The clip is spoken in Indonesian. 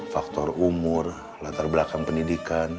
faktor umur latar belakang pendidikan